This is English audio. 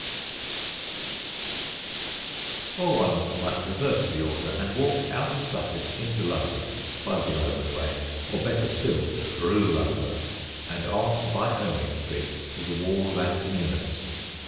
[Sidenote: BY ROMAN ROAD] Or one might reverse the order and walk out of Sussex into London by the Roman way, or, better still, through London, and on by Erming Street to the wall of Antoninus.